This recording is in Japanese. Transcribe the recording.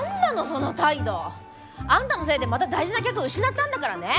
その態度！あんたのせいでまた大事な客を失ったんだからね。